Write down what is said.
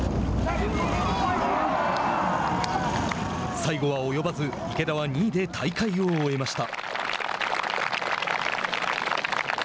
最後は及ばず池田は２位で大会を終えました。